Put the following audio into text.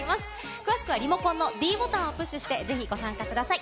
詳しくはリモコンのｄボタンをプッシュして、ぜひご参加ください。